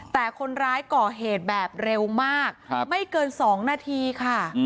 แต่คนร้ายก่อเหตุแบบเร็วมากไม่เกิน๒นาทีค่ะ